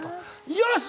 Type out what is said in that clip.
よし！